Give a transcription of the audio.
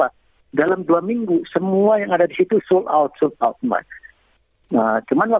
ada malaysia asean ya